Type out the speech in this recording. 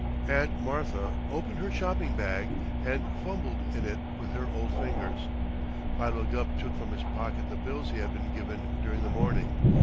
Aunt Martha opened her shopping bag, and fumbled in it with her old fingers. Philo Gubb took from his pocket the bills he had been given during the morning.